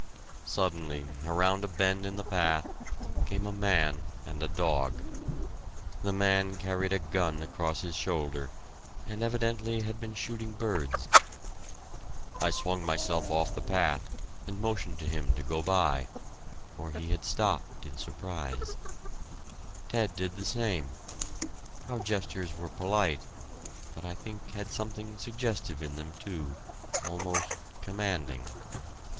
Suddenly, around a bend in the path, came a man and a dog. The man carried a gun across his shoulder, and evidently had been shooting birds. I swung myself off the path and motioned to him to go by for he had stopped in surprise. Ted did the same. Our gestures were polite but I think had something suggestive in them too almost commanding.